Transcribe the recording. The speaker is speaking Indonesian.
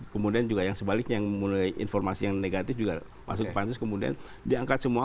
kemudian juga yang sebaliknya yang informasi yang negatif juga masuk ke pansus kemudian diangkat semua